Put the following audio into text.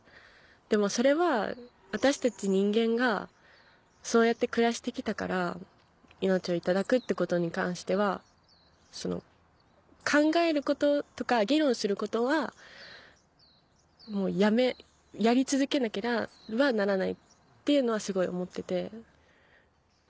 でもそれは私たち人間がそうやって暮らして来たから命をいただくってことに関しては考えることとか議論することはやり続けなければならないっていうのはすごい思ってて。